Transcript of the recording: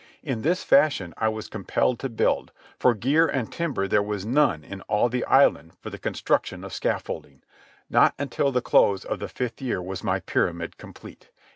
In this fashion I was compelled to build, for gear and timber there was none in all the island for the construction of scaffolding. Not until the close of the fifth year was my pyramid complete.